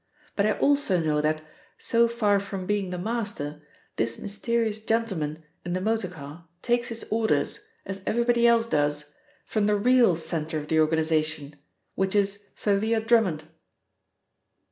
But I also know that, so far from being the master, this mysterious gentleman in the motor car takes his orders, as everybody else does, from the real centre of the organisation which is Thalia Drummond!"